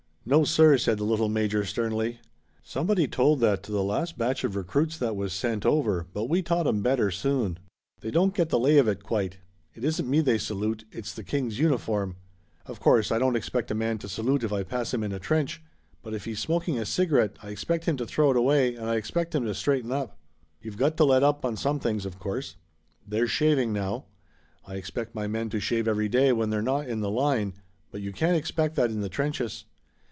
"No, sir," said the little major sternly. "Somebody told that to the last batch of recruits that was sent over, but we taught 'em better soon. They don't get the lay of it quite. It isn't me they salute; it's the King's uniform. Of course, I don't expect a man to salute if I pass him in a trench; but if he's smoking a cigarette I expect him to throw it away and I expect him to straighten up. "You've got to let up on some things, of course. There's shaving now. I expect my men to shave every day when they're not in the line, but you can't expect that in the trenches.